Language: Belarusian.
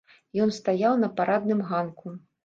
Ён стаяў на парадным ганку.